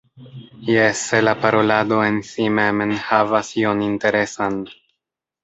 Jes, se la parolado en si mem enhavas ion interesan?